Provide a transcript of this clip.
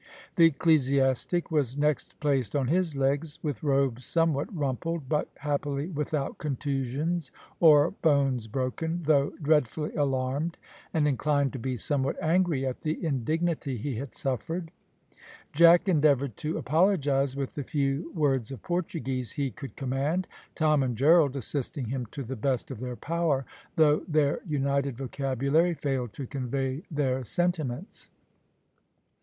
The ecclesiastic was next placed on his legs, with robes somewhat rumpled, but happily without contusions or bones broken, though dreadfully alarmed and inclined to be somewhat angry at the indignity he had suffered. Jack endeavoured to apologise with the few words of Portuguese he could command, Tom and Gerald assisting him to the best of their power, though their united vocabulary failed to convey their sentiments.